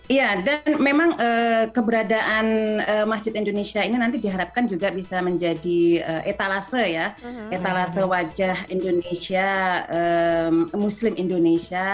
iya dan memang keberadaan masjid indonesia ini nanti diharapkan juga bisa menjadi etalase ya etalase wajah indonesia muslim indonesia